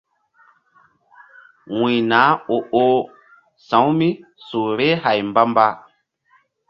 Wuy nah o-oh sa̧wu mí su vbeh hay mbamba.